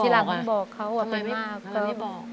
ทีหลังไม่บอกเขาอะเป็นมากทำไมไม่บอก